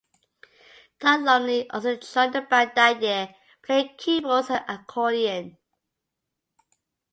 Todd Lumley also joined the band that year, playing keyboards and accordion.